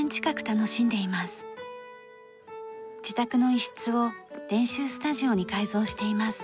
自宅の一室を練習スタジオに改造しています。